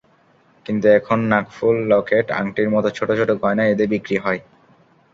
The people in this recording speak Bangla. কিন্তু এখন নাকফুল, লকেট, আংটির মতো ছোট ছোট গয়না ঈদে বিক্রি হয়।